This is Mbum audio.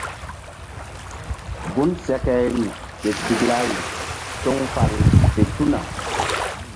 Gun sekeri ke tiklari toŋ fal fe tuna.